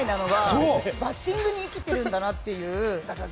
バッティングに生きているんだなという。